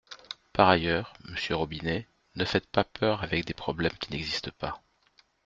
Par ailleurs, monsieur Robinet, ne faites pas peur avec des problèmes qui n’existent pas.